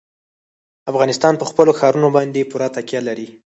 افغانستان په خپلو ښارونو باندې پوره تکیه لري.